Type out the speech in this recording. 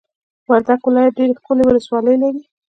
وردګ ولایت ډېرې ښکلې ولسوالۍ لري!